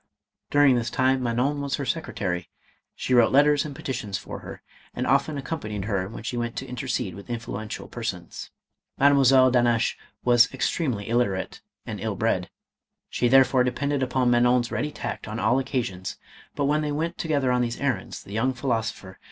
During this time Manon was her secretary ; she wrote letters and petitions for her, and often accom panied her when she went to intercede with influential persons. Mademoiselle d'Hannaches was extremely illiterate and ill bred; she therefore depended upon Manon's ready tact on all occasions, but when they went together on these errands, the young philosopher MADAME EOLAND.